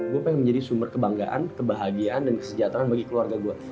gue pengen menjadi sumber kebanggaan kebahagiaan dan kesejahteraan bagi keluarga gue